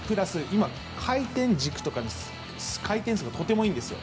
今、回転軸とか、回転数がとてもいいんです。